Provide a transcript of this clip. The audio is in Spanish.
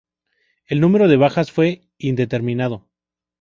El número de bajas fue indeterminado.